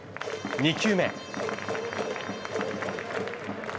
２球目。